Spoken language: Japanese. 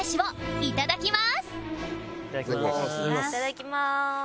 いただきます。